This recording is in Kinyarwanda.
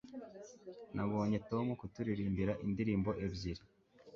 nabonye tom kuturirimbira indirimbo ebyiri